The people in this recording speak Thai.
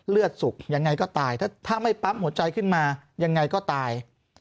สุกยังไงก็ตายถ้าไม่ปั๊มหัวใจขึ้นมายังไงก็ตาย